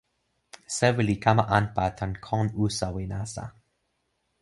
sewi li kama anpa tan kon usawi nasa.